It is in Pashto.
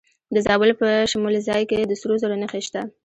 د زابل په شمولزای کې د سرو زرو نښې شته.